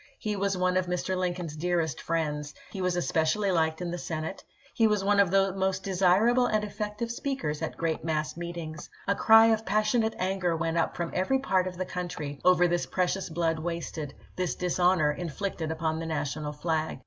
He was one of Mr. Lin coln's dearest friends ; he was especially liked in the Senate ; he was one of the most desirable and effective speakers at great mass meetings. A cry of passionate anger went up from every part of the country over this precious blood wasted, this dishonor inflicted upon the National flag.